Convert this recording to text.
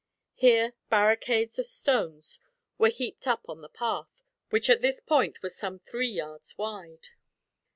Here barricades of stones were heaped up on the path, which at this point was some three yards wide.